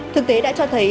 thực tế đã cho thấy